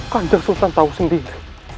ganjab sultan tahu sendiri